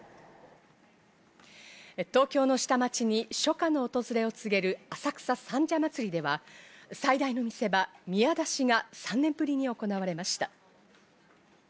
東京の下町に初夏の訪れを告げる浅草三社祭では、最大の見せ場、宮出しが３年ぶりに行われました。